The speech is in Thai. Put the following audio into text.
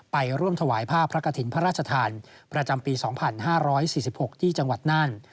ไปร่วมถวายภาพพระกฐินพระราชทานประจำปี๒๕๔๖ที่จังหวัดนั่น